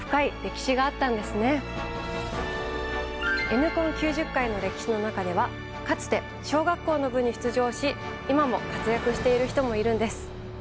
Ｎコン９０回の歴史の中ではかつて小学校の部に出場し今も活躍している人もいるんです。